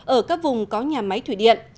ở các vùng có nhà máy thủy điện